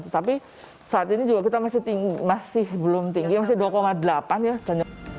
tetapi saat ini juga kita masih belum tinggi masih dua delapan ya